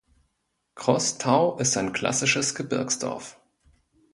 Crostau ist ein klassisches Gebirgsdorf.